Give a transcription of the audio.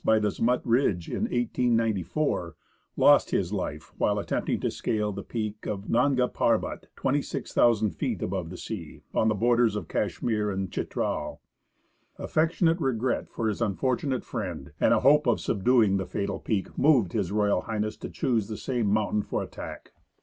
by the Zmutt ridge in 1894), lost his life while attempting to scale the peak of Nanga Parbat, 26,000 feet above the sea, on the borders of Kashmir and Chitral. Affectionate regret for his unfortunate friend, and a hope of subduing the fatal peak, moved H.R. H. to choose the same mountain for attack.